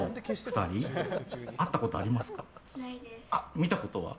見たことは？